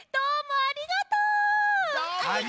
ありがとち！